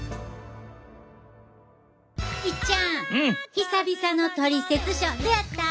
久々の「トリセツショー」どうやった？